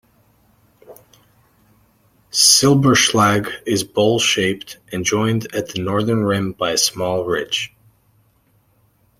Silberschlag is bowl-shaped and is joined at the northern rim by a small ridge.